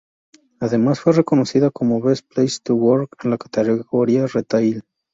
Además, fue reconocida como Best Place To Work en la categoría retail.